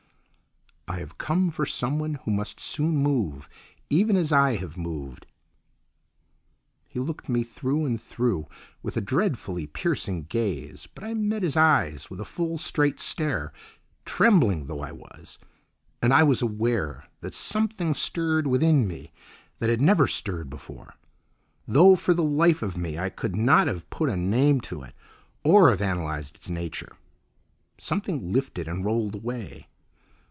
"I have come for someone who must soon move, even as I have moved." He looked me through and through with a dreadfully piercing gaze, but I met his eyes with a full straight stare, trembling though I was, and I was aware that something stirred within me that had never stirred before, though for the life of me I could not have put a name to it, or have analysed its nature. Something lifted and rolled away.